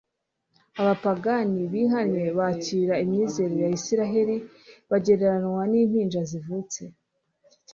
Abapagani bihannye bakakira imyizerere ya Isiraeli, bagereranywaga n'impinja zivutse.